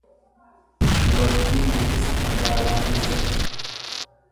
Dubartiin dubbisa magaalaa keessatti.